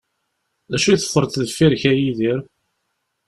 D acu i teffreḍ deffir-k, a Yidir?